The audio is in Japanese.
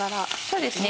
そうですね。